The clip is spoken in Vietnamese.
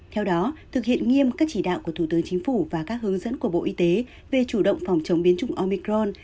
theo đó thực hiện nghiêm các chỉ đạo của thủ tướng chính phủ và các hướng dẫn của bộ y tế về chủ động phòng chống biến chủng omicron